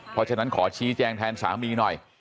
เพราะฉะนั้นขอชี้แจงแทนสามีหน่อย